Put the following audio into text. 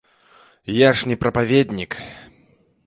Я ж не прапаведнік.